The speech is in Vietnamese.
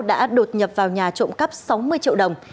đã đột nhập vào nhà trộm cắp sáu mươi triệu đồng